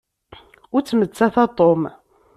Ur ttmettat a Tom.